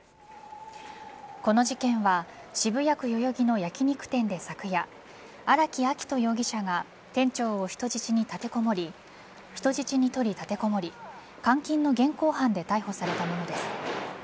この事件は渋谷区代々木の焼き肉店で昨夜荒木秋冬容疑者が店長を人質に立てこもり人質に取り、立てこもり監禁の現行犯で逮捕されたものです。